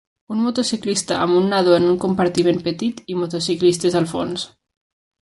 Un motociclista amb un nadó en un compartiment petit i motociclistes al fons.